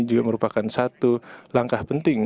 juga merupakan satu langkah penting